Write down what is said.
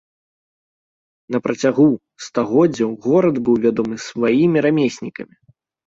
На працягу стагоддзяў горад быў вядомы сваімі рамеснікамі.